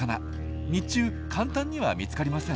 日中簡単には見つかりません。